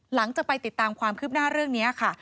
หลังจากไปติดตามความคืบหน้าเรื่องนี้ค่ะ